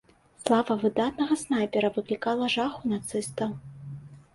Слава выдатнага снайпера выклікала жах у нацыстаў.